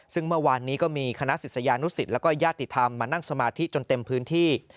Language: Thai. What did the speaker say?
ซึ่งเมื่อวานนี้ก็มีคณะศิษยานุสิตแล้วก็ญาติธรรมมานั่งสมาธิจนเต็มพื้นที่